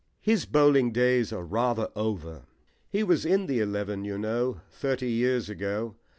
"His bowling days are rather over. He was in the eleven, you know, thirty years ago.